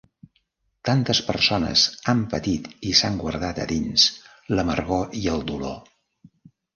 Tantes persones han patit i s'han guardat a dins l'amargor i el dolor.